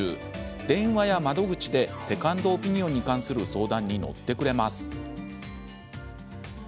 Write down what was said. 電話や窓口でセカンドオピニオンに関する相談に乗ってくれます。